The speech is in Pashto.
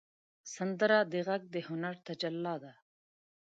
سندره د غږ د هنر تجلی ده